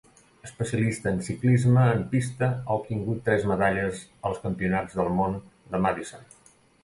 Especialista en ciclisme en pista, ha obtingut tres medalles als Campionats del món de Madison.